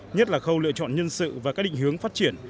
nhất là khâu lựa chọn nhân sự và các định hướng phát triển